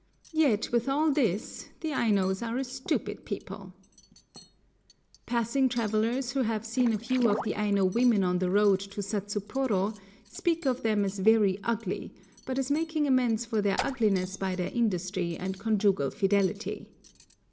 Yet with all this the Ainos are a stupid people! [Picture: An Aino Patriarch] Passing travellers who have seen a few of the Aino women on the road to Satsuporo speak of them as very ugly, but as making amends for their ugliness by their industry and conjugal fidelity.